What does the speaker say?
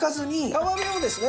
皮目をですね